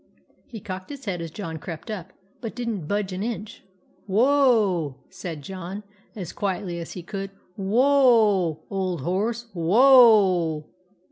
He cocked his head as John crept up, but did n't budge an inch. " Whoa !" said John, as quietly as he could. " Who o a, old horse, who o a